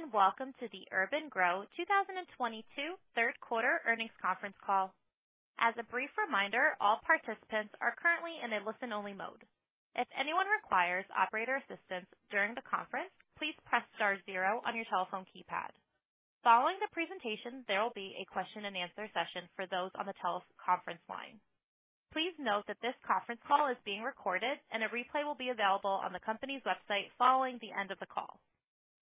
Hello, and welcome to the urban-gro 2022 third quarter earnings conference call. As a brief reminder, all participants are currently in a listen-only mode. If anyone requires operator assistance during the conference, please press star zero on your telephone keypad. Following the presentation, there will be a question-and-answer session for those on the teleconference line. Please note that this conference call is being recorded, and a replay will be available on the company's website following the end of the call.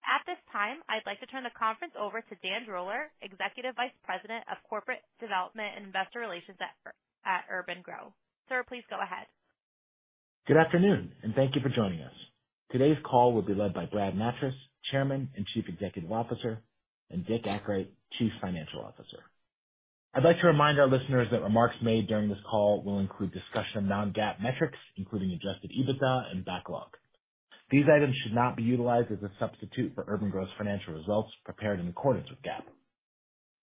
At this time, I'd like to turn the conference over to Dan Droller, Executive Vice President of Corporate Development and Investor Relations at urban-gro. Sir, please go ahead. Good afternoon, and thank you for joining us. Today's call will be led by Bradley Nattrass, Chairman and Chief Executive Officer, and Dick Akright, Chief Financial Officer. I'd like to remind our listeners that remarks made during this call will include discussion of non-GAAP metrics, including adjusted EBITDA and backlog. These items should not be utilized as a substitute for urban-gro's financial results prepared in accordance with GAAP.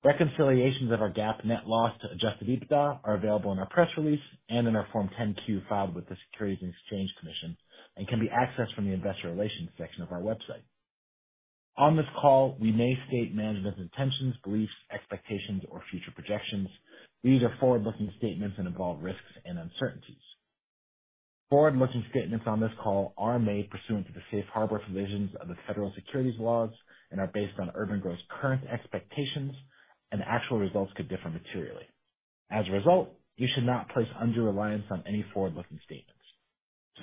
Reconciliations of our GAAP net loss to adjusted EBITDA are available in our press release and in our Form 10-Q filed with the Securities and Exchange Commission and can be accessed from the investor relations section of our website. On this call, we may state management's intentions, beliefs, expectations, or future projections. These are forward-looking statements and involve risks and uncertainties. Forward-looking statements on this call are made pursuant to the safe harbor provisions of the federal securities laws and are based on urban-gro's current expectations, and actual results could differ materially. As a result, you should not place undue reliance on any forward-looking statements.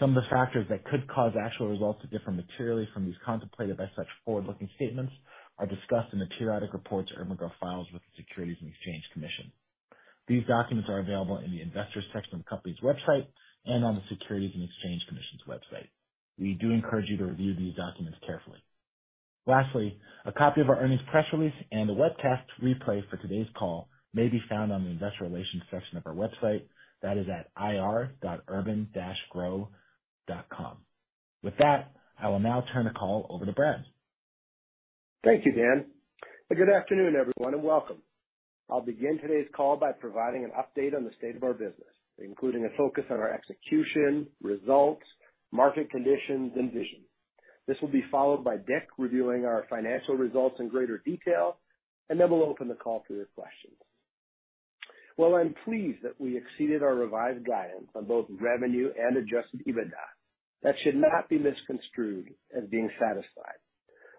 Some of the factors that could cause actual results to differ materially from these contemplated by such forward-looking statements are discussed in the periodic reports urban-gro files with the Securities and Exchange Commission. These documents are available in the investors section of the company's website and on the Securities and Exchange Commission's website. We do encourage you to review these documents carefully. Lastly, a copy of our earnings press release and the webcast replay for today's call may be found on the investor relations section of our website. That is at ir.urban-gro.com. With that, I will now turn the call over to Brad. Thank you, Dan. Good afternoon, everyone, and welcome. I'll begin today's call by providing an update on the state of our business, including a focus on our execution, results, market conditions, and vision. This will be followed by Dick reviewing our financial results in greater detail, and then we'll open the call for your questions. While I'm pleased that we exceeded our revised guidance on both revenue and adjusted EBITDA, that should not be misconstrued as being satisfied.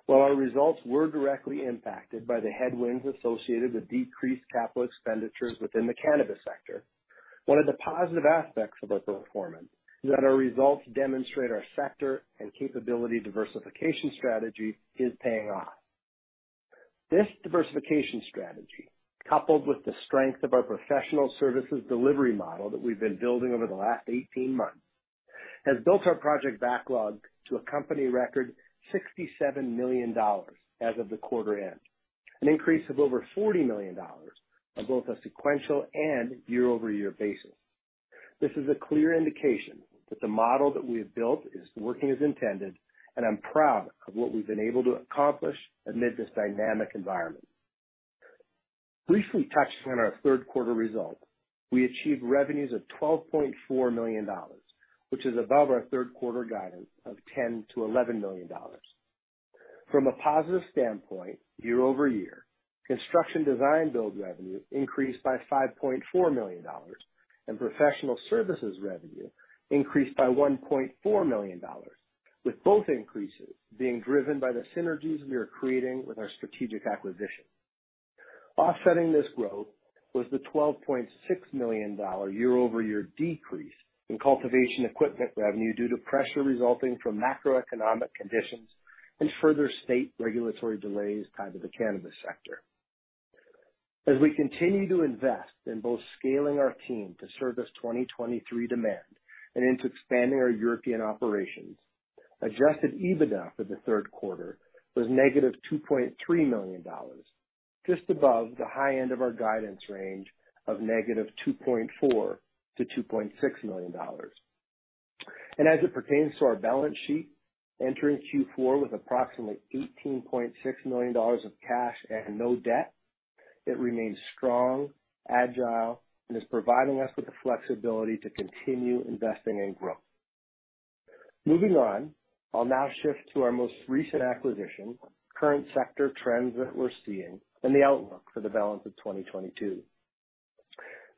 While our results were directly impacted by the headwinds associated with decreased capital expenditures within the cannabis sector, one of the positive aspects of our performance is that our results demonstrate our sector and capability diversification strategy is paying off. This diversification strategy, coupled with the strength of our professional services delivery model that we've been building over the last 18 months, has built our project backlog to a company record $67 million as of the quarter end, an increase of over $40 million on both a sequential and year-over-year basis. This is a clear indication that the model that we have built is working as intended, and I'm proud of what we've been able to accomplish amid this dynamic environment. Briefly touching on our third quarter results, we achieved revenues of $12.4 million, which is above our third quarter guidance of $10 million-$11 million. From a positive standpoint, year-over-year, construction design-build revenue increased by $5.4 million, and professional services revenue increased by $1.4 million, with both increases being driven by the synergies we are creating with our strategic acquisition. Offsetting this growth was the $12.6 million year-over-year decrease in cultivation equipment revenue due to pressure resulting from macroeconomic conditions and further state regulatory delays tied to the cannabis sector. As we continue to invest in both scaling our team to serve this 2023 demand and into expanding our European operations, adjusted EBITDA for the third quarter was -$2.3 million, just above the high end of our guidance range of -$2.4 million to -$2.6 million. As it pertains to our balance sheet, entering Q4 with approximately $18.6 million of cash and no debt, it remains strong, agile, and is providing us with the flexibility to continue investing in growth. Moving on, I'll now shift to our most recent acquisition, current sector trends that we're seeing, and the outlook for the balance of 2022.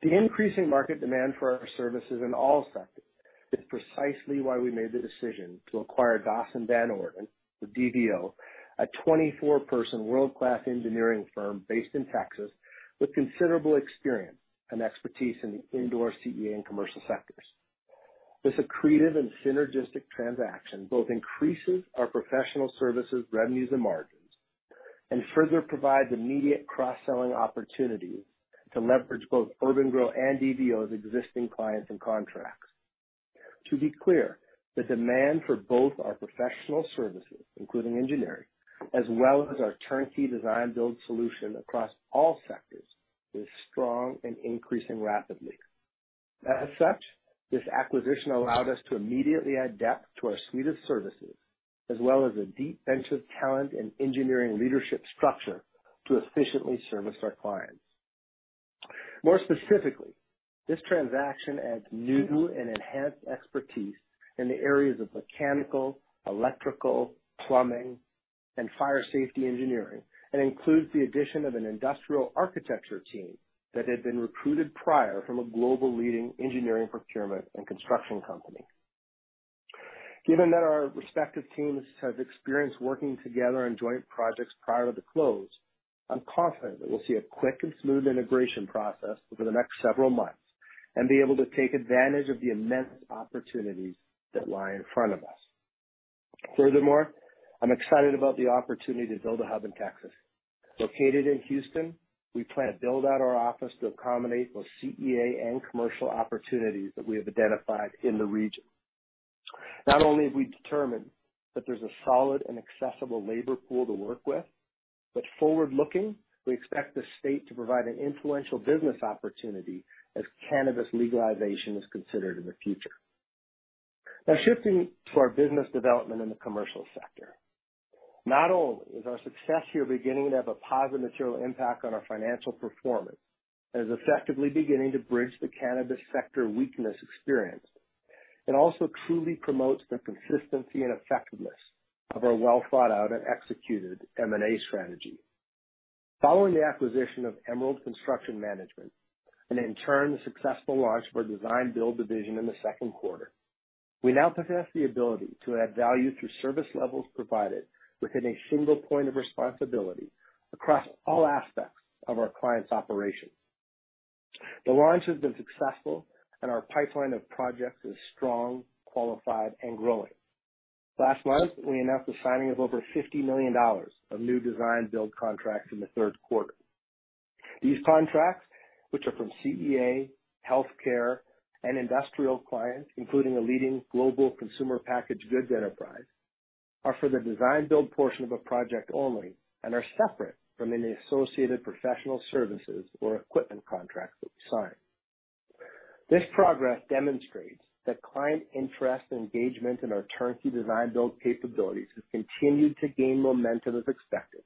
The increasing market demand for our services in all sectors is precisely why we made the decision to acquire Dawson Van Orden, or DVO, a 24-person world-class engineering firm based in Texas with considerable experience and expertise in the indoor CEA and commercial sectors. This accretive and synergistic transaction both increases our professional services revenues and margins and further provides immediate cross-selling opportunities to leverage both urban-gro and DVO's existing clients and contracts. To be clear, the demand for both our professional services, including engineering, as well as our turnkey design-build solution across all sectors, is strong and increasing rapidly. As such, this acquisition allowed us to immediately add depth to our suite of services, as well as a deep bench of talent and engineering leadership structure to efficiently service our clients. More specifically, this transaction adds new and enhanced expertise in the areas of mechanical, electrical, plumbing, and fire safety engineering, and includes the addition of an industrial architecture team that had been recruited prior from a global leading engineering, procurement, and construction company. Given that our respective teams have experience working together on joint projects prior to the close, I'm confident that we'll see a quick and smooth integration process over the next several months and be able to take advantage of the immense opportunities that lie in front of us. Furthermore, I'm excited about the opportunity to build a hub in Texas. Located in Houston, we plan to build out our office to accommodate both CEA and commercial opportunities that we have identified in the region. Not only have we determined that there's a solid and accessible labor pool to work with, but forward-looking, we expect the state to provide an influential business opportunity as cannabis legalization is considered in the future. Now shifting to our business development in the commercial sector. Not only is our success here beginning to have a positive material impact on our financial performance and is effectively beginning to bridge the cannabis sector weakness experienced, it also truly promotes the consistency and effectiveness of our well-thought-out and executed M&A strategy. Following the acquisition of Emerald Construction Management, and in turn, the successful launch of our design-build division in the second quarter, we now possess the ability to add value through service levels provided within a single point of responsibility across all aspects of our clients' operations. The launch has been successful, and our pipeline of projects is strong, qualified, and growing. Last month, we announced the signing of over $50 million of new design-build contracts in the third quarter. These contracts, which are from CEA, healthcare, and industrial clients, including a leading global consumer packaged goods enterprise, are for the design-build portion of a project only and are separate from any associated professional services or equipment contracts that we sign. This progress demonstrates that client interest and engagement in our turnkey design-build capabilities has continued to gain momentum as expected,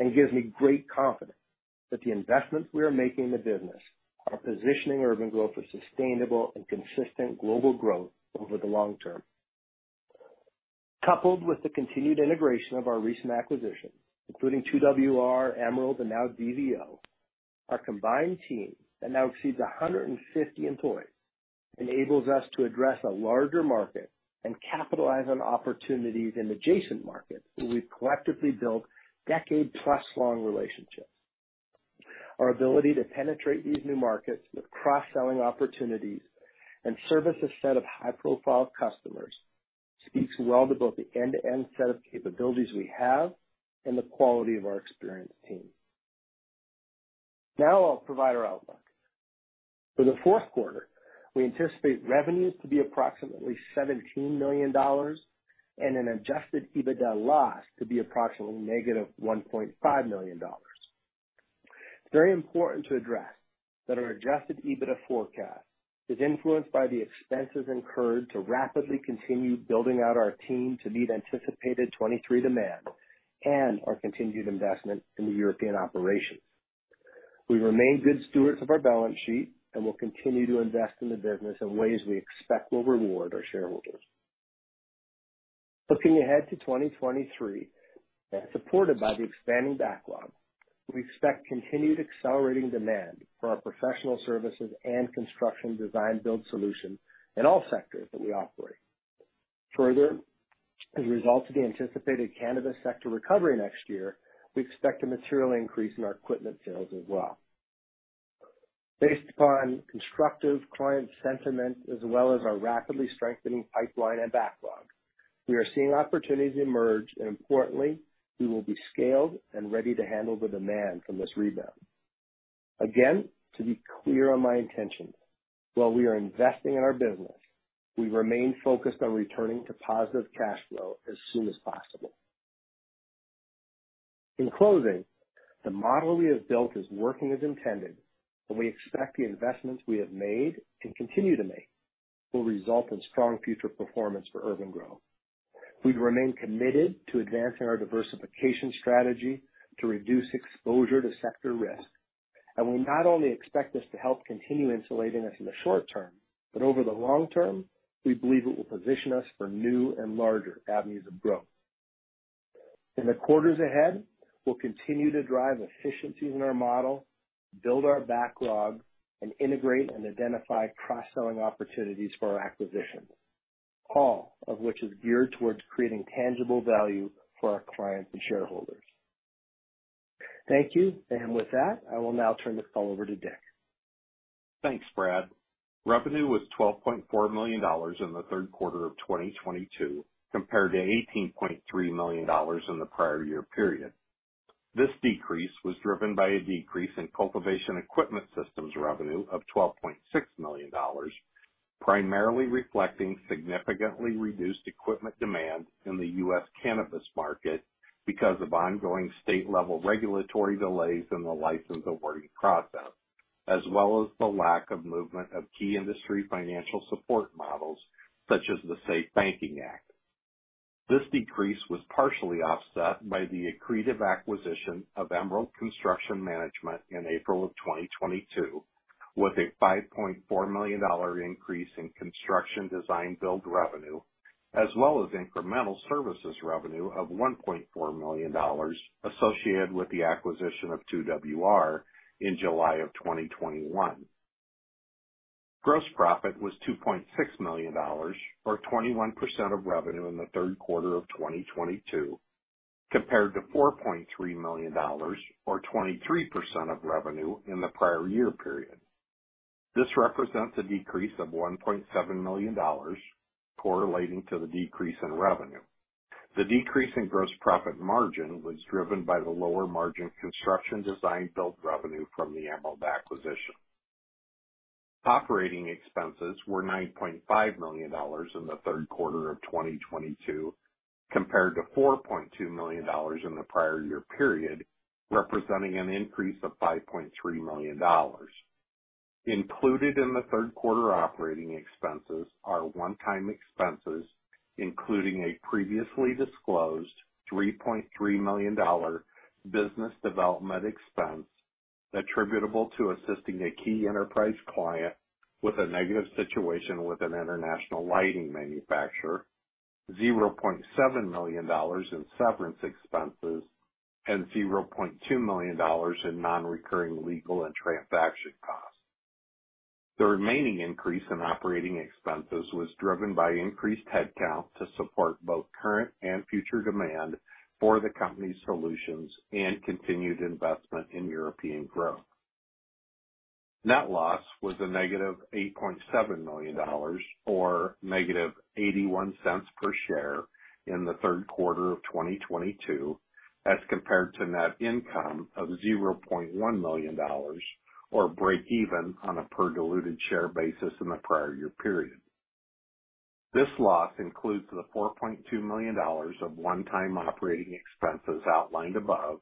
and gives me great confidence that the investments we are making in the business are positioning urban-gro for sustainable and consistent global growth over the long term. Coupled with the continued integration of our recent acquisitions, including 2WR, Emerald, and now DVO, our combined team that now exceeds 150 employees, enables us to address a larger market and capitalize on opportunities in adjacent markets where we've collectively built decade-plus long relationships. Our ability to penetrate these new markets with cross-selling opportunities and service a set of high-profile customers speaks well to both the end-to-end set of capabilities we have and the quality of our experienced team. Now I'll provide our outlook. For the fourth quarter, we anticipate revenues to be approximately $17 million and an adjusted EBITDA loss to be approximately -$1.5 million. It's very important to address that our adjusted EBITDA forecast is influenced by the expenses incurred to rapidly continue building out our team to meet anticipated 2023 demand and our continued investment in the European operations. We remain good stewards of our balance sheet and will continue to invest in the business in ways we expect will reward our shareholders. Looking ahead to 2023, and supported by the expanding backlog, we expect continued accelerating demand for our professional services and construction design-build solution in all sectors that we operate. Further, as a result of the anticipated cannabis sector recovery next year, we expect a material increase in our equipment sales as well. Based upon constructive client sentiment as well as our rapidly strengthening pipeline and backlog, we are seeing opportunities emerge, and importantly, we will be scaled and ready to handle the demand from this rebound. Again, to be clear on my intentions, while we are investing in our business, we remain focused on returning to positive cash flow as soon as possible. In closing, the model we have built is working as intended, and we expect the investments we have made and continue to make will result in strong future performance for urban-gro. We remain committed to advancing our diversification strategy to reduce exposure to sector risk, and we not only expect this to help continue insulating us in the short term, but over the long term, we believe it will position us for new and larger avenues of growth. In the quarters ahead, we'll continue to drive efficiencies in our model, build our backlog, and integrate and identify cross-selling opportunities for our acquisitions, all of which is geared towards creating tangible value for our clients and shareholders. Thank you. With that, I will now turn this call over to Dick. Thanks, Brad. Revenue was $12.4 million in the third quarter of 2022, compared to $18.3 million in the prior year period. This decrease was driven by a decrease in cultivation equipment systems revenue of $12.6 million, primarily reflecting significantly reduced equipment demand in the U.S. cannabis market because of ongoing state-level regulatory delays in the license awarding process, as well as the lack of movement of key industry financial support models such as the SAFE Banking Act. This decrease was partially offset by the accretive acquisition of Emerald Construction Management in April of 2022, with a $5.4 million increase in construction design-build revenue, as well as incremental services revenue of $1.4 million associated with the acquisition of 2WR in July of 2021. Gross profit was $2.6 million, or 21% of revenue in the third quarter of 2022, compared to $4.3 million or 23% of revenue in the prior year period. This represents a decrease of $1.7 million correlating to the decrease in revenue. The decrease in gross profit margin was driven by the lower margin construction design-build revenue from the Emerald acquisition. Operating expenses were $9.5 million in the third quarter of 2022 compared to $4.2 million in the prior year period, representing an increase of $5.3 million. Included in the third quarter operating expenses are one-time expenses, including a previously disclosed $3.3 million business development expense attributable to assisting a key enterprise client with a negative situation with an international lighting manufacturer, $0.7 million in severance expenses, and $0.2 million in non-recurring legal and transaction costs. The remaining increase in operating expenses was driven by increased headcount to support both current and future demand for the company's solutions and continued investment in European growth. Net loss was a negative $8.7 million, or -81 cents per share in the third quarter of 2022, as compared to net income of $0.1 million or breakeven on a per diluted share basis in the prior year period. This loss includes the $4.2 million of one-time operating expenses outlined above,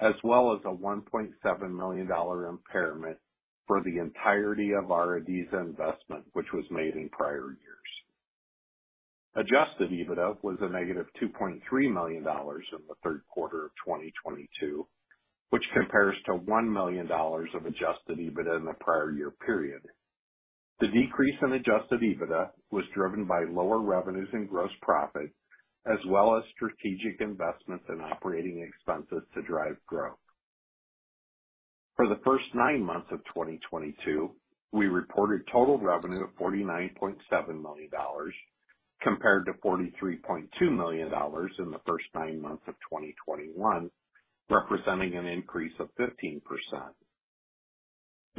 as well as a $1.7 million impairment for the entirety of our Edible Garden AG, Inc. Investment, which was made in prior years. Adjusted EBITDA was a -$2.3 million in the third quarter of 2022, which compares to $1 million of adjusted EBITDA in the prior year period. The decrease in adjusted EBITDA was driven by lower revenues and gross profit, as well as strategic investments in operating expenses to drive growth. For the first nine months of 2022, we reported total revenue of $49.7 million compared to $43.2 million in the first nine months of 2021, representing an increase of 15%.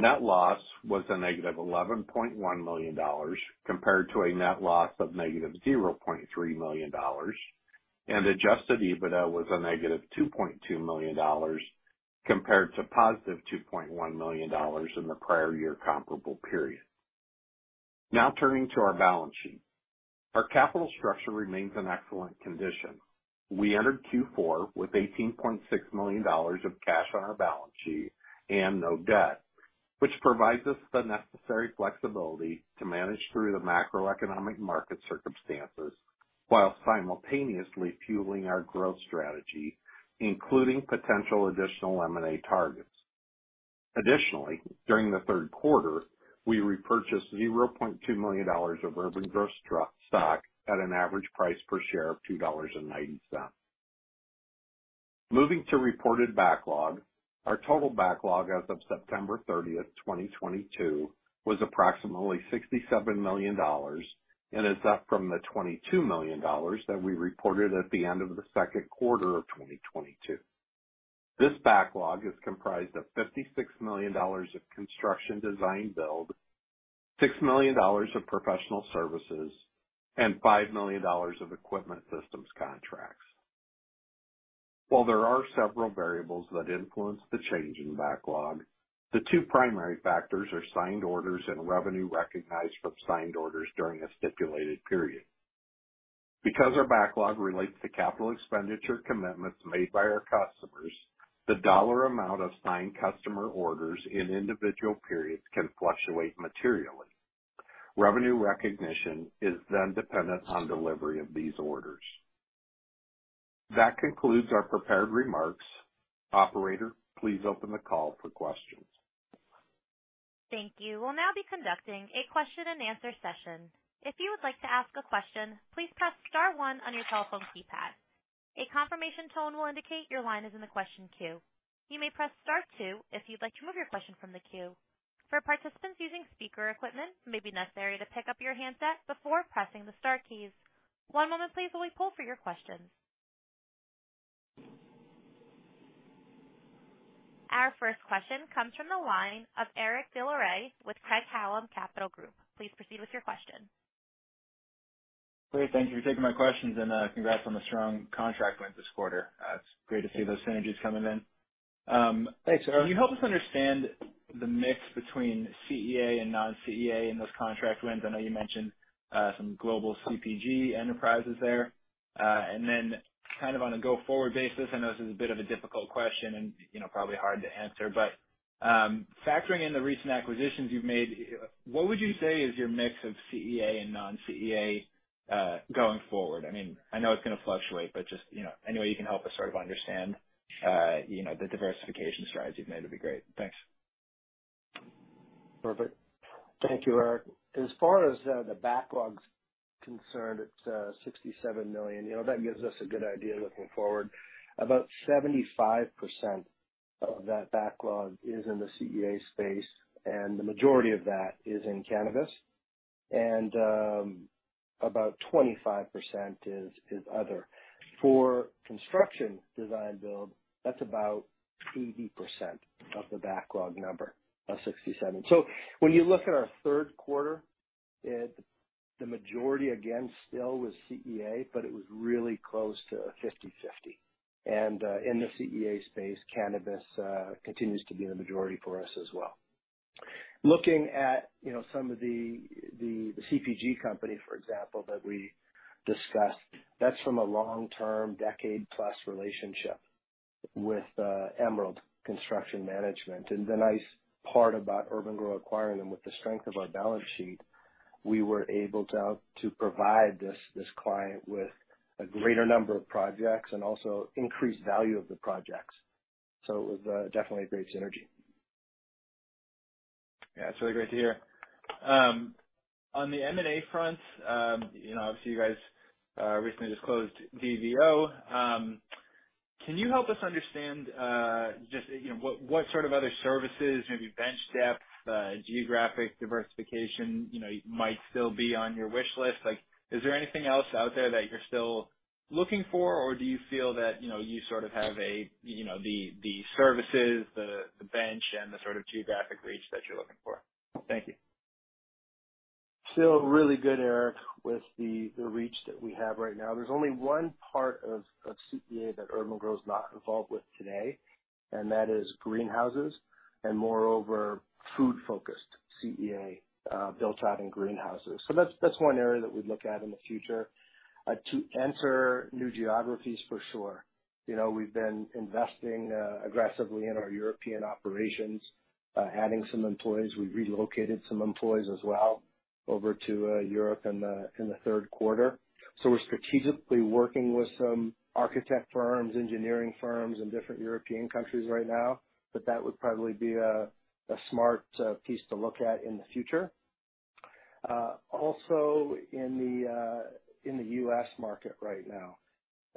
Net loss was -$11.1 million compared to a net loss of -$0.3 million, and adjusted EBITDA was -$2.2 million compared to $2.1 million in the prior year comparable period. Now turning to our balance sheet. Our capital structure remains in excellent condition. We entered Q4 with $18.6 million of cash on our balance sheet and no debt, which provides us the necessary flexibility to manage through the macroeconomic market circumstances while simultaneously fueling our growth strategy, including potential additional M&A targets. Additionally, during the third quarter, we repurchased $0.2 million of urban-gro stock at an average price per share of $2.90. Moving to reported backlog, our total backlog as of September 30, 2022, was approximately $67 million and is up from the $22 million that we reported at the end of the second quarter of 2022. This backlog is comprised of $56 million of construction design-build, $6 million of professional services, and $5 million of equipment systems contracts. While there are several variables that influence the change in backlog, the two primary factors are signed orders and revenue recognized from signed orders during a stipulated period. Because our backlog relates to capital expenditure commitments made by our customers, the dollar amount of signed customer orders in individual periods can fluctuate materially. Revenue recognition is then dependent on delivery of these orders. That concludes our prepared remarks. Operator, please open the call for questions. Thank you. We'll now be conducting a question-and-answer session. If you would like to ask a question, please press star one on your telephone keypad. A confirmation tone will indicate your line is in the question queue. You may press Star two if you'd like to remove your question from the queue. For participants using speaker equipment, it may be necessary to pick up your handset before pressing the star keys. One moment please while we poll for your questions. Our first question comes from the line of Eric Des Lauriers with Craig-Hallum Capital Group. Please proceed with your question. Great. Thank you for taking my questions and, congrats on the strong contract wins this quarter. It's great to see those synergies coming in. Thanks, Eric. Can you help us understand the mix between CEA and non-CEA in those contract wins? I know you mentioned some global CPG enterprises there. And then kind of on a go-forward basis, I know this is a bit of a difficult question and, you know, probably hard to answer, but factoring in the recent acquisitions you've made, what would you say is your mix of CEA and non-CEA going forward? I mean, I know it's gonna fluctuate, but just, you know, any way you can help us sort of understand, you know, the diversification strides you've made would be great. Thanks. Perfect. Thank you, Eric. As far as the backlog's concerned, it's $67 million. You know, that gives us a good idea looking forward. About 75% of that backlog is in the CEA space, and the majority of that is in cannabis. About 25% is other. For construction design-build, that's about 80% of the backlog number of $67 million. When you look at our third quarter, it, the majority, again, still was CEA, but it was really close to 50/50. In the CEA space, cannabis continues to be the majority for us as well. Looking at, you know, some of the CPG company, for example, that we discussed, that's from a long-term decade-plus relationship with Emerald Construction Management. The nice part about urban-gro acquiring them with the strength of our balance sheet, we were able to provide this client with a greater number of projects and also increased value of the projects. It was definitely a great synergy. Yeah. That's really great to hear. On the M&A front, you know, obviously you guys recently just closed DVO. Can you help us understand just you know what sort of other services maybe bench depth geographic diversification you know might still be on your wish list? Like is there anything else out there that you're still looking for or do you feel that you know you sort of have a you know the services the bench and the sort of geographic reach that you're looking for? Thank you. Feel really good, Eric, with the reach that we have right now. There's only one part of CEA that urban-gro is not involved with today, and that is greenhouses and moreover, food-focused CEA built out in greenhouses. That's one area that we'd look at in the future to enter new geographies for sure. You know, we've been investing aggressively in our European operations, adding some employees. We relocated some employees as well over to Europe in the third quarter. We're strategically working with some architect firms, engineering firms in different European countries right now. That would probably be a smart piece to look at in the future. Also in the U.S. market right now,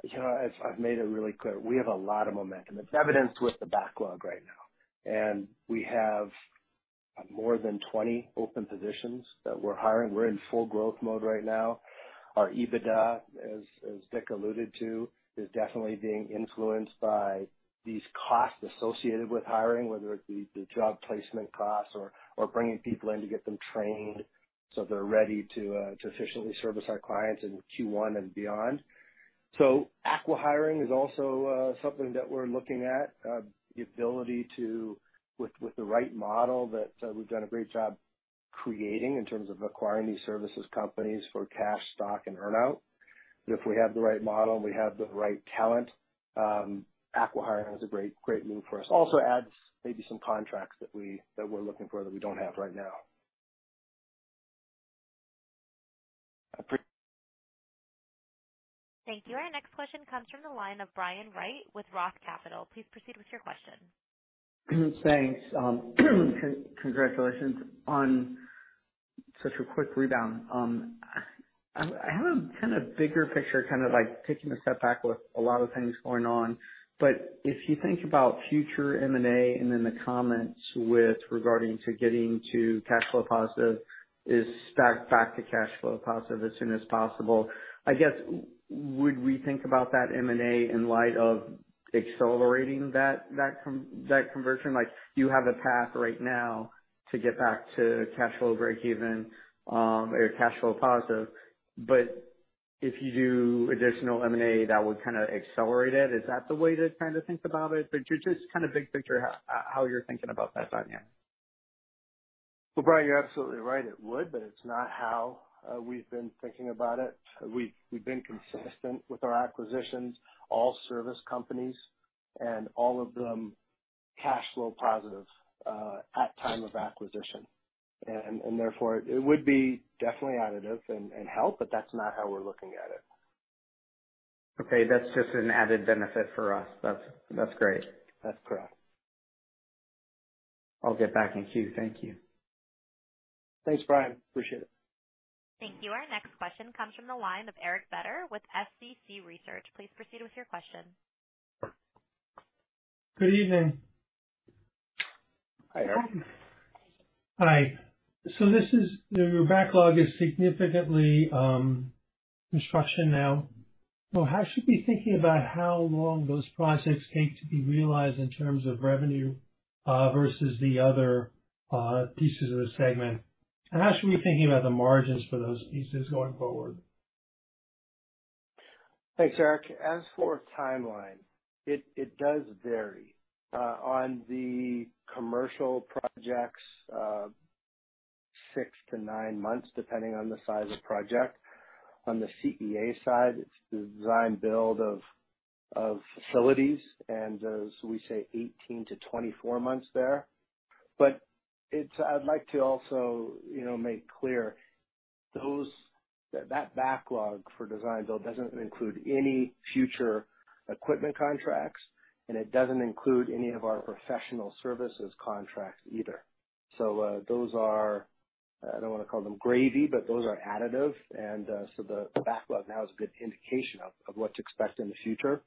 you know, as I've made it really clear, we have a lot of momentum. It's evidenced with the backlog right now, and we have more than 20 open positions that we're hiring. We're in full growth mode right now. Our EBITDA, as Dick alluded to, is definitely being influenced by these costs associated with hiring, whether it be the job placement costs or bringing people in to get them trained so they're ready to efficiently service our clients in Q1 and beyond. Acquihiring is also something that we're looking at. The ability to with the right model that we've done a great job creating in terms of acquiring these services companies for cash, stock, and earn-out. If we have the right model, and we have the right talent, acquihiring is a great move for us. Also adds maybe some contracts that we're looking for that we don't have right now. Appre- Thank you. Our next question comes from the line of Brian Wright with Roth Capital Partners. Please proceed with your question. Thanks. Congratulations on such a quick rebound. I have a kind of bigger picture, kind of like taking a step back with a lot of things going on. If you think about future M&A and then the comments with regard to getting to cash flow positive, it's to get back to cash flow positive as soon as possible, I guess, would we think about that M&A in light of accelerating that conversion? Like, do you have a path right now to get back to cash flow breakeven, or cash flow positive, but if you do additional M&A, that would kinda accelerate it? Is that the way to kind of think about it? Just kind of big picture, how you're thinking about that timeline. Well, Brian, you're absolutely right, it would, but it's not how we've been thinking about it. We've been consistent with our acquisitions, all service companies and all of them cash flow positive at time of acquisition. Therefore it would be definitely additive and help, but that's not how we're looking at it. Okay. That's just an added benefit for us. That's great. That's correct. I'll get back in queue. Thank you. Thanks, Brian. Appreciate it. Thank you. Our next question comes from the line of Eric Beder with SCC Research. Please proceed with your question. Good evening. Hi, Eric. Hi. Your backlog is significantly construction now. How should we be thinking about how long those projects take to be realized in terms of revenue versus the other pieces of the segment? How should we be thinking about the margins for those pieces going forward? Thanks, Eric. As for timeline, it does vary. On the commercial projects, 6-9 months, depending on the size of project. On the CEA side, it's the design-build of facilities and so we say 18-24 months there. I'd like to also, you know, make clear that backlog for design-build doesn't include any future equipment contracts, and it doesn't include any of our professional services contracts either. So, those are, I don't wanna call them gravy, but those are additive. The backlog now is a good indication of what to expect in the future.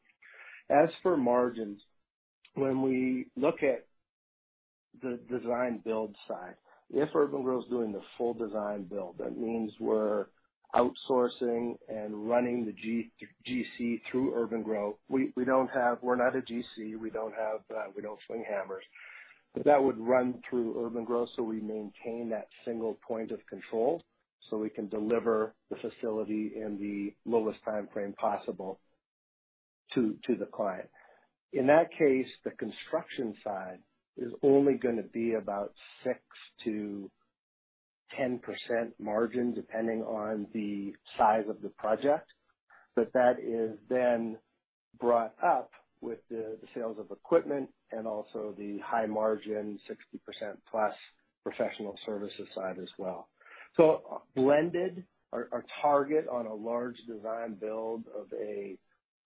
As for margins, when we look at the design-build side, if urban-gro's doing the full design-build, that means we're outsourcing and running the GC through urban-gro. We're not a GC, we don't have, we don't swing hammers. That would run through urban-gro, so we maintain that single point of control, so we can deliver the facility in the lowest timeframe possible to the client. In that case, the construction side is only gonna be about 6%-10% margin, depending on the size of the project. That is then brought up with the sales of equipment and also the high margin, 60%+ professional services side as well. Blended, our target on a large design-build of a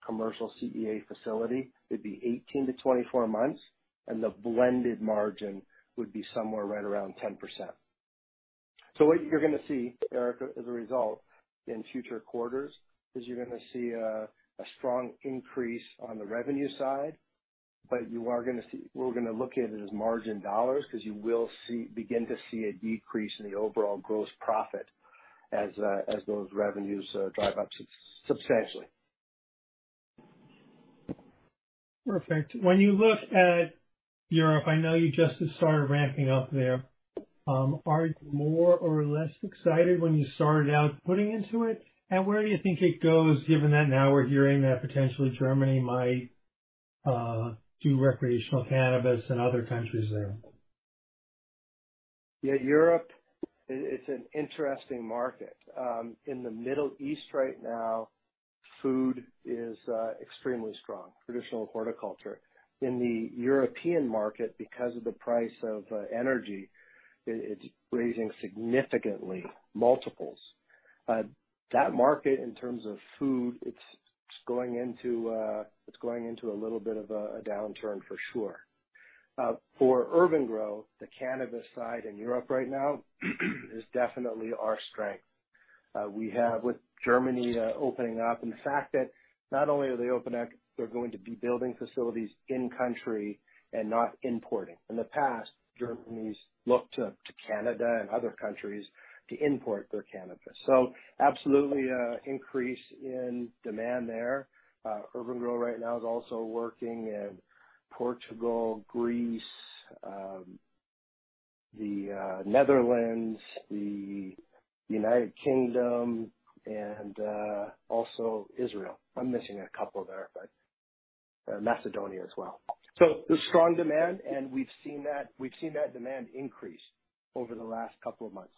commercial CEA facility, it'd be 18-24 months, and the blended margin would be somewhere right around 10%. What you're gonna see, Eric, as a result in future quarters, is a strong increase on the revenue side, but we're gonna look at it as margin dollars because you will begin to see a decrease in the overall gross profit as those revenues drive up substantially. Perfect. When you look at Europe, I know you just started ramping up there, are you more or less excited when you started out putting into it? Where do you think it goes given that now we're hearing that potentially Germany might do recreational cannabis and other countries there? Yeah, Europe, it's an interesting market. In the Middle East right now, food is extremely strong, traditional horticulture. In the European market, because of the price of energy, it's rising significantly, multiples. That market in terms of food, it's going into a little bit of a downturn for sure. For urban-gro, the cannabis side in Europe right now is definitely our strength. We have, with Germany opening up and the fact that not only are they opening up, they're going to be building facilities in country and not importing. In the past, Germans looked to Canada and other countries to import their cannabis. Absolutely, increase in demand there. urban-gro right now is also working in Portugal, Greece, the Netherlands, the United Kingdom and also Israel. I'm missing a couple there, but Macedonia as well. There's strong demand, and we've seen that demand increase over the last couple of months.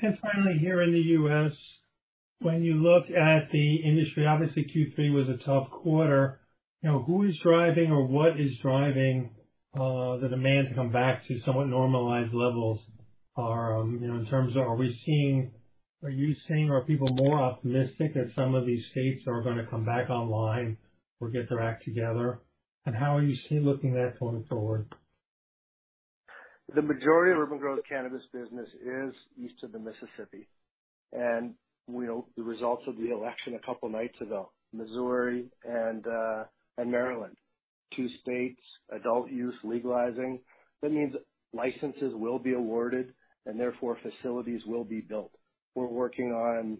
Finally here in the U.S., when you look at the industry, obviously Q3 was a tough quarter. You know, who is driving or what is driving, the demand to come back to somewhat normalized levels? Or, you know, in terms of are you seeing, are people more optimistic that some of these states are gonna come back online or get their act together? How are you looking at going forward? The majority of urban-gro's cannabis business is east of the Mississippi. You know, the results of the election a couple nights ago, Missouri and Maryland, two states, adult use legalizing, that means licenses will be awarded and therefore facilities will be built. We're working on,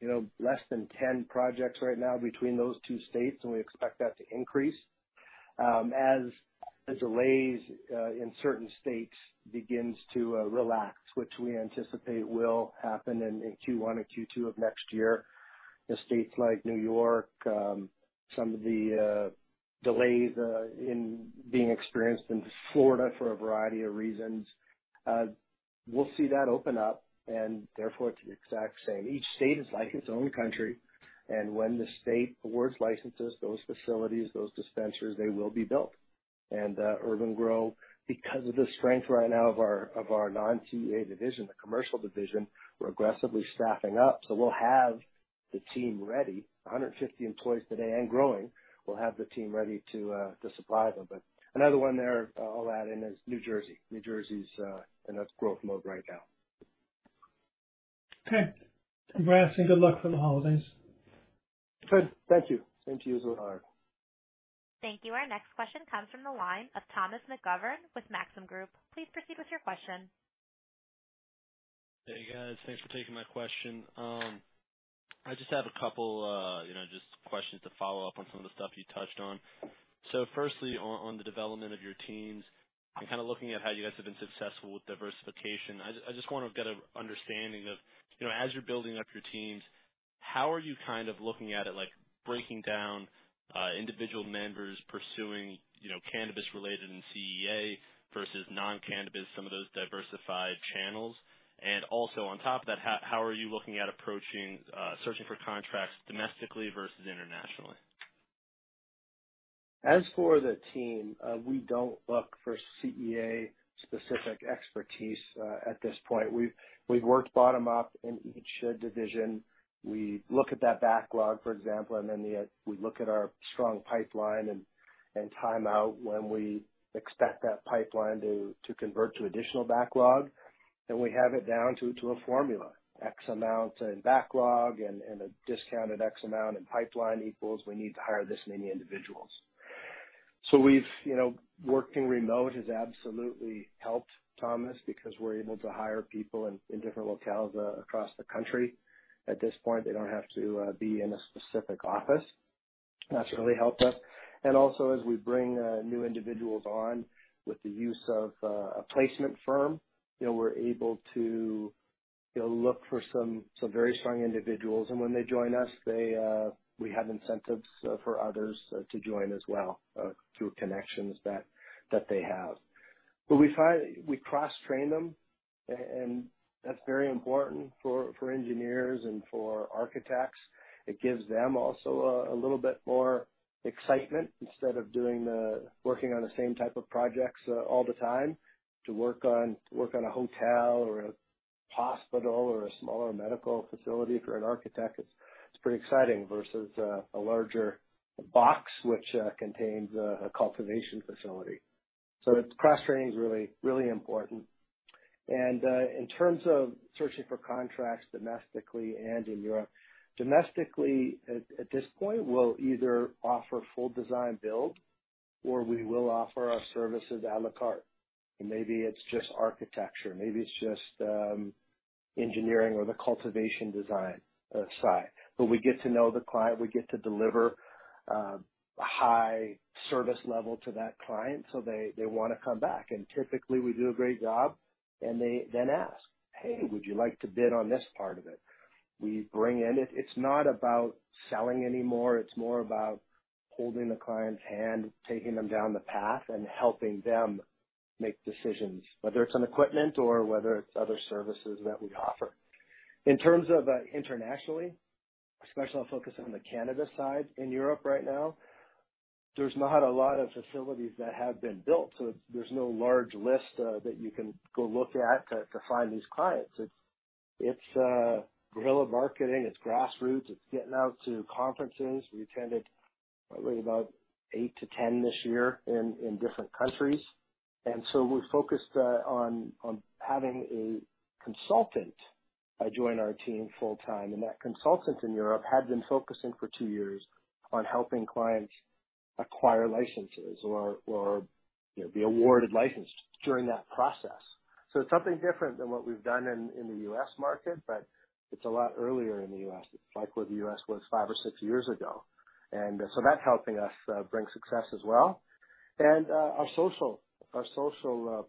you know, less than 10 projects right now between those two states, and we expect that to increase. As the delays in certain states begins to relax, which we anticipate will happen in Q1 or Q2 of next year. The states like New York, some of the delays in being experienced in Florida for a variety of reasons. We'll see that open up and therefore it's the exact same. Each state is like its own country, and when the state awards licenses, those facilities, those dispensers, they will be built. urban-gro, because of the strength right now of our non-CEA division, the commercial division, we're aggressively staffing up. We'll have the team ready, 150 employees today and growing. We'll have the team ready to supply them. Another one there I'll add in is New Jersey. New Jersey's in its growth mode right now. Okay. Bradley Nattrass, and good luck for the holidays. Good. Thank you. Same to you as well, Howard. Thank you. Our next question comes from the line of Thomas McGovern with Maxim Group. Please proceed with your question. Hey, guys. Thanks for taking my question. I just have a couple, you know, just questions to follow up on some of the stuff you touched on. Firstly, on the development of your teams. I'm kinda looking at how you guys have been successful with diversification. I just wanna get a understanding of, you know, as you're building up your teams. How are you kind of looking at it like breaking down individual members pursuing, you know, cannabis related and CEA versus non-cannabis, some of those diversified channels? And also on top of that, how are you looking at approaching searching for contracts domestically versus internationally? As for the team, we don't look for CEA specific expertise at this point. We've worked bottom up in each division. We look at that backlog, for example, and then we look at our strong pipeline and time out when we expect that pipeline to convert to additional backlog, then we have it down to a formula. X amount in backlog and a discounted X amount in pipeline equals we need to hire this many individuals. We've, you know, working remote has absolutely helped, Thomas, because we're able to hire people in different locales across the country. At this point, they don't have to be in a specific office. That's really helped us. Also as we bring new individuals on with the use of a placement firm, you know, we're able to, you know, look for some very strong individuals, and when they join us, we have incentives for others to join as well through connections that they have. We cross-train them and that's very important for engineers and for architects. It gives them also a little bit more excitement instead of working on the same type of projects all the time, to work on a hotel or a hospital or a smaller medical facility. For an architect, it's pretty exciting versus a larger box which contains a cultivation facility. Cross-training is really important. In terms of searching for contracts domestically and in Europe, domestically at this point, we'll either offer full design-build or we will offer our services à la carte. Maybe it's just architecture, maybe it's just engineering or the cultivation design side. We get to know the client. We get to deliver high service level to that client, so they wanna come back. Typically we do a great job and they then ask, "Hey, would you like to bid on this part of it?" It's not about selling anymore, it's more about holding the client's hand, taking them down the path and helping them make decisions, whether it's on equipment or whether it's other services that we offer. In terms of internationally, especially focusing on the cannabis side in Europe right now, there's not a lot of facilities that have been built, so there's no large list that you can go look at to find these clients. It's guerrilla marketing, it's grassroots, it's getting out to conferences. We attended probably about 8-10 this year in different countries. We're focused on having a consultant join our team full-time. That consultant in Europe had been focusing for 2 years on helping clients acquire licenses or, you know, be awarded license during that process. It's something different than what we've done in the U.S. market, but it's a lot earlier in the U.S. It's like where the U.S. was five or six years ago. That's helping us bring success as well. Our social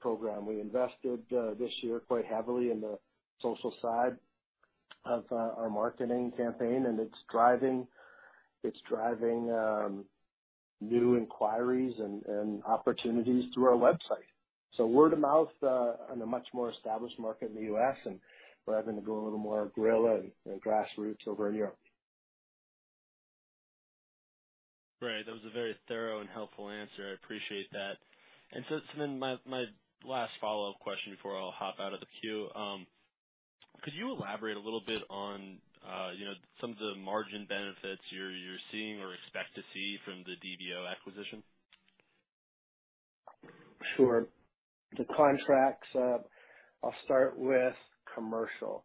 program, we invested this year quite heavily in the social side of our marketing campaign, and it's driving new inquiries and opportunities through our website. Word of mouth in a much more established market in the U.S. and we're having to go a little more guerrilla and grassroots over in Europe. Great. That was a very thorough and helpful answer. I appreciate that. My last follow-up question before I'll hop out of the queue. Could you elaborate a little bit on, you know, some of the margin benefits you're seeing or expect to see from the DVO acquisition? Sure. The contracts, I'll start with commercial.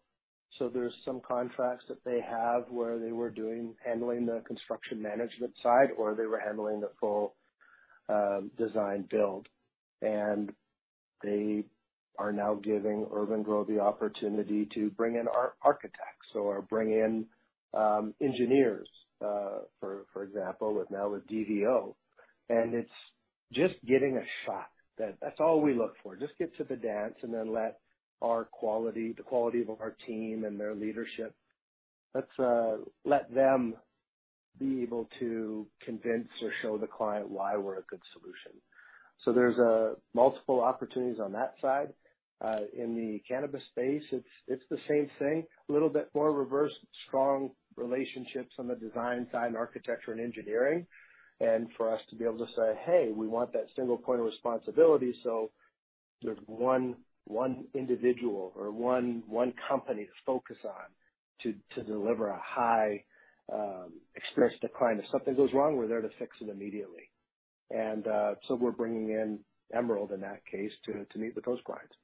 There's some contracts that they have where they were doing, handling the construction management side, or they were handling the full design-build. They are now giving urban-gro the opportunity to bring in architects or bring in engineers, for example, now with DVO. It's just getting a shot. That's all we look for. Just get to the dance and then let our quality, the quality of our team and their leadership, let them be able to convince or show the client why we're a good solution. There's multiple opportunities on that side. In the cannabis space, it's the same thing, a little bit more reverse strong relationships on the design side and architecture and engineering. For us to be able to say, "Hey, we want that single point of responsibility," so there's one individual or one company to focus on to deliver a high experience to client. If something goes wrong, we're there to fix it immediately. We're bringing in Emerald in that case to meet with those clients.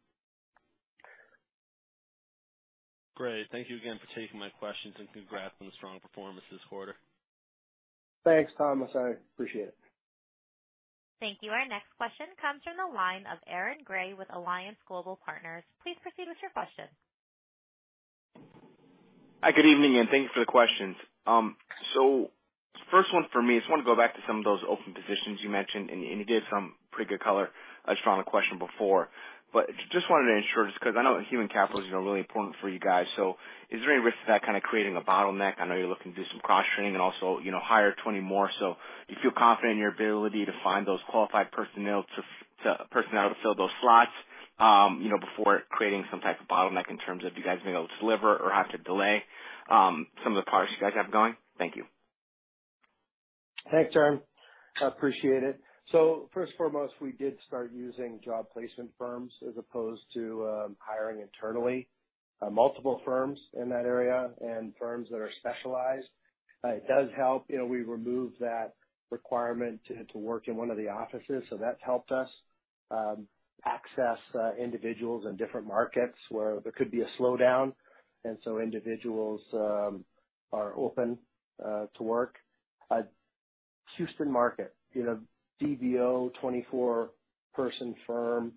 Great. Thank you again for taking my questions and congrats on the strong performance this quarter. Thanks, Thomas, I appreciate it. Thank you. Our next question comes from the line of Aaron Gray with Alliance Global Partners. Please proceed with your question. Hi, good evening, and thanks for the questions. First one for me, I just wanna go back to some of those open positions you mentioned, and you gave some pretty good color, just on a question before. Just wanted to ensure, just 'cause I know human capital is, you know, really important for you guys. Is there any risk of that kinda creating a bottleneck? I know you're looking to do some cross-training and also, you know, hire 20 more. You feel confident in your ability to find those qualified personnel to fill those slots, you know, before creating some type of bottleneck in terms of you guys being able to deliver or have to delay, some of the parts you guys have going? Thank you. Thanks, Aaron. I appreciate it. First and foremost, we did start using job placement firms as opposed to hiring internally, multiple firms in that area and firms that are specialized. It does help. You know, we removed that requirement to work in one of the offices, so that's helped us access individuals in different markets where there could be a slowdown, and so individuals are open to work. Houston market, you know, DVO, 24-person firm,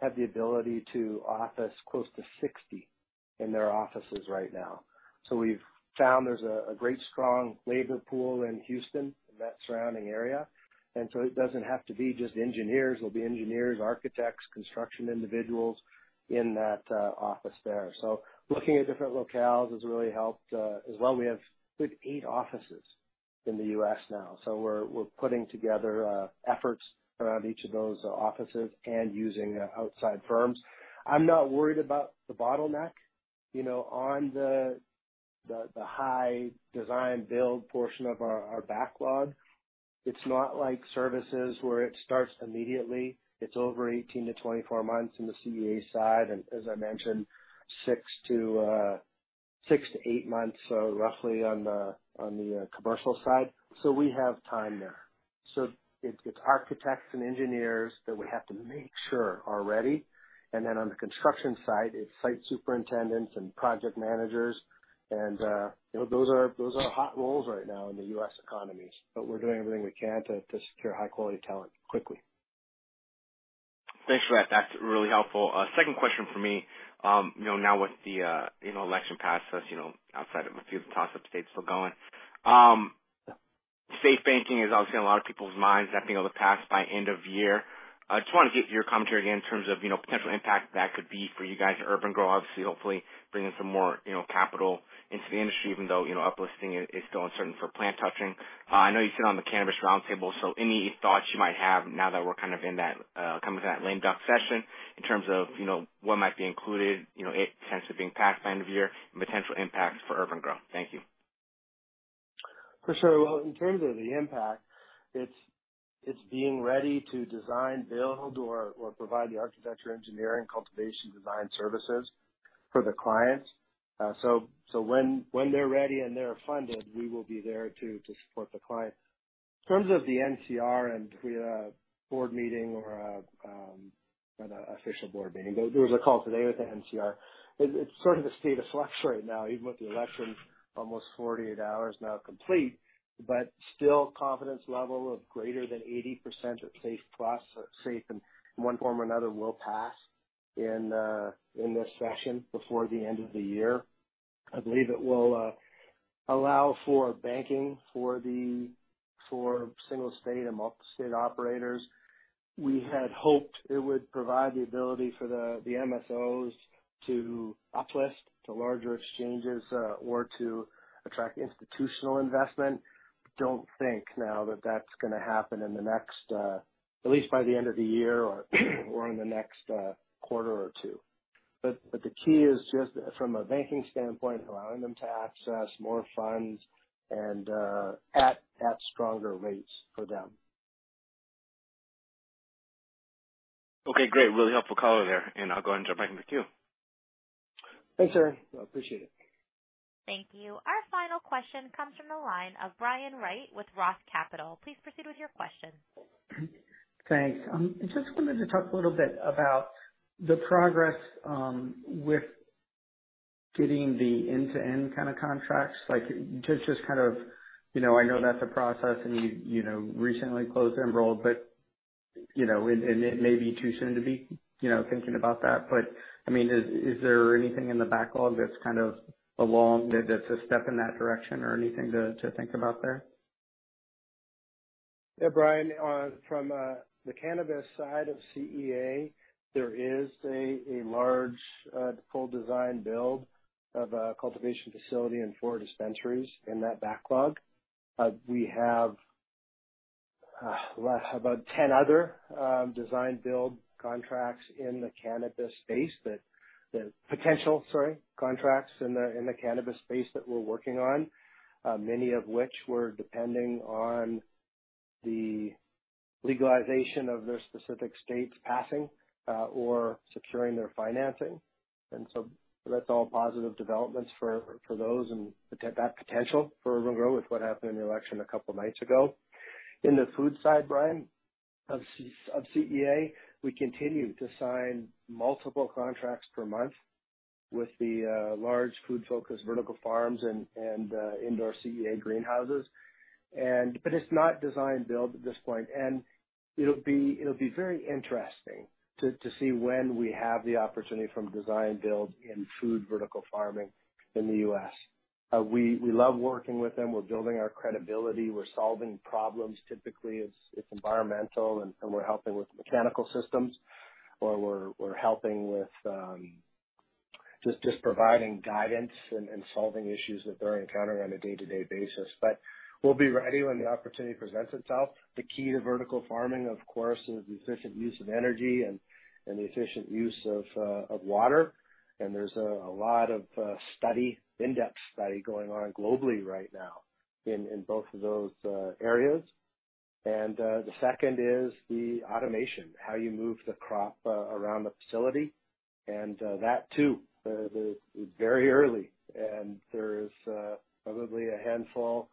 have the ability to office close to 60 in their offices right now. So we've found there's a great strong labor pool in Houston and that surrounding area. It doesn't have to be just engineers. There'll be engineers, architects, construction individuals in that office there. Looking at different locales has really helped, as well. We have, I think, eight offices in the U.S. now. We're putting together efforts around each of those offices and using outside firms. I'm not worried about the bottleneck, you know, on the high design-build portion of our backlog. It's not like services where it starts immediately. It's over 18-24 months on the CEA side. As I mentioned, 6-8 months, roughly, on the commercial side. We have time there. It's architects and engineers that we have to make sure are ready. Then on the construction side, it's site superintendents and project managers and, you know, those are hot roles right now in the U.S. economy. We're doing everything we can to secure high quality talent quickly. Thanks for that. That's really helpful. Second question for me. You know, now with the, you know, election passed us, you know, outside of a few of the toss-up states still going. SAFE banking is obviously on a lot of people's minds, definitely able to pass by end of year. I just wanna get your commentary again in terms of, you know, potential impact that could be for you guys at urban-gro, obviously, hopefully bringing some more, you know, capital into the industry even though, you know, uplisting is still uncertain for plant touching. I know you sit on the National Cannabis Roundtable, so any thoughts you might have now that we're kind of in that, coming to that lame duck session in terms of, you know, what might be included, you know, it potentially being passed by end of year and potential impacts for urban-gro? Thank you. For sure. Well, in terms of the impact, it's being ready to design, build or provide the architecture, engineering, cultivation design services for the clients. When they're ready and they're funded, we will be there to support the client. In terms of the NCR and the board meeting or not an official board meeting, but there was a call today with the NCR. It's sort of a state of flux right now, even with the election almost 48 hours now complete, but still confidence level of greater than 80% SAFE Plus or SAFE in one form or another will pass in this session before the end of the year. I believe it will allow for banking for the single state and multi-state operators. We had hoped it would provide the ability for the MSOs to uplist to larger exchanges or to attract institutional investment. Don't think now that that's gonna happen in the next at least by the end of the year or in the next quarter or two. The key is just from a banking standpoint, allowing them to access more funds and at stronger rates for them. Okay, great. Really helpful call there, and I'll go and jump back into queue. Thanks, Aaron. I appreciate it. Thank you. Our final question comes from the line of Brian Wright with Roth Capital. Please proceed with your question. Thanks. I just wanted to talk a little bit about the progress with getting the end-to-end kinda contracts. Like just kind of, you know, I know that's a process and you know recently closed Emerald, but you know and it may be too soon to be you know thinking about that, but I mean, is there anything in the backlog that's kind of along, that's a step in that direction or anything to think about there? Yeah, Brian, from the cannabis side of CEA, there is a large full design-build of a cultivation facility and 4 dispensaries in that backlog. We have about 10 other design-build contracts in the cannabis space that we're working on, many of which we're depending on the legalization of their specific states passing or securing their financing. That's all positive developments for those and that potential for urban-gro with what happened in the election a couple nights ago. In the food side, Brian, of CEA, we continue to sign multiple contracts per month with the large food-focused vertical farms and indoor CEA greenhouses. But it's not design-build at this point. It'll be very interesting to see when we have the opportunity for design-build in food vertical farming in the US. We love working with them. We're building our credibility, we're solving problems. Typically, it's environmental and we're helping with mechanical systems, or we're helping with just providing guidance and solving issues that they're encountering on a day-to-day basis. We'll be ready when the opportunity presents itself. The key to vertical farming, of course, is efficient use of energy and the efficient use of water. The second is the automation, how you move the crop around the facility. That too is very early and there is probably a handful,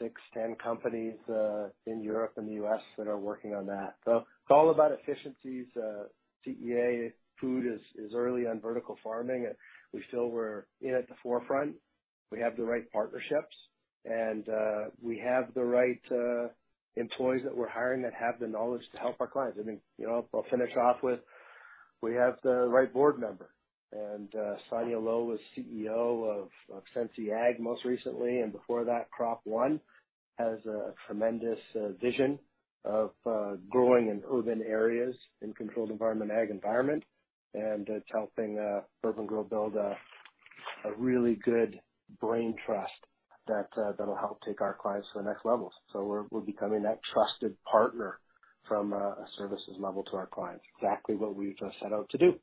6, 10 companies in Europe and the US that are working on that. It's all about efficiencies. CEA food is early on vertical farming. We feel we're, you know, at the forefront. We have the right partnerships and we have the right employees that we're hiring that have the knowledge to help our clients. I mean, you know, I'll finish off with we have the right board member. Sonia Lo was CEO of Sensei Ag most recently, and before that Crop One, has a tremendous vision of growing in urban areas in controlled environment ag environment. It's helping urban-gro build a really good brain trust that that'll help take our clients to the next level. We're becoming that trusted partner from a services level to our clients, exactly what we set out to do.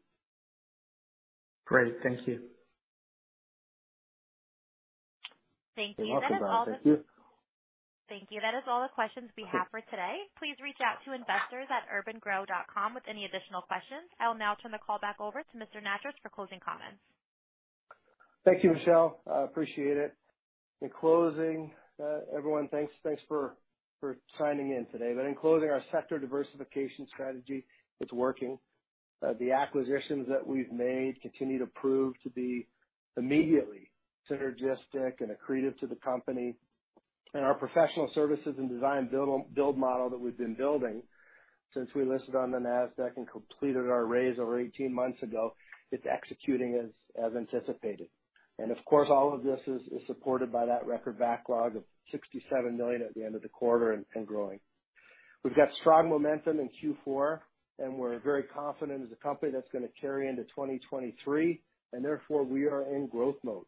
Great. Thank you. Thank you. You're welcome. Thank you. Thank you. That is all the questions we have for today. Please reach out to investors at urban-gro.com with any additional questions. I will now turn the call back over to Bradley Nattrass for closing comments. Thank you, Michelle. I appreciate it. In closing, everyone, thanks for signing in today. Our sector diversification strategy, it's working. The acquisitions that we've made continue to prove to be immediately synergistic and accretive to the company. Our professional services and design-build model that we've been building since we listed on the Nasdaq and completed our raise over 18 months ago, it's executing as anticipated. Of course, all of this is supported by that record backlog of $67 million at the end of the quarter and growing. We've got strong momentum in Q4, and we're very confident as a company that's gonna carry into 2023, and therefore we are in growth mode.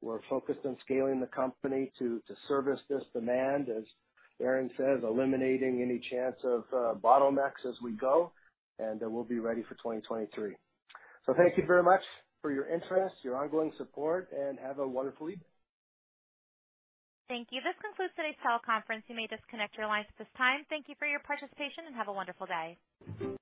We're focused on scaling the company to service this demand, as Aaron says, eliminating any chance of bottlenecks as we go, and then we'll be ready for 2023. Thank you very much for your interest, your ongoing support, and have a wonderful week. Thank you. This concludes today's teleconference. You may disconnect your lines at this time. Thank you for your participation and have a wonderful day.